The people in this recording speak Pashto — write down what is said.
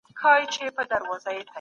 بې له قدرته د پرېکړو پلي کول ناسوني دي.